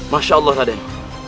masya allah raden